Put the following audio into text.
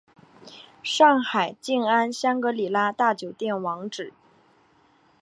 上海静安香格里拉大酒店网址